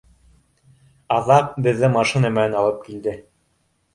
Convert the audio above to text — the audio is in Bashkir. Аҙаҡ беҙҙе машина менән алып килде.